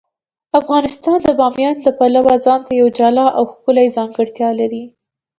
افغانستان د بامیان د پلوه ځانته یوه جلا او ښکلې ځانګړتیا لري.